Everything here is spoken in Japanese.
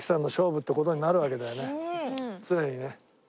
常にね。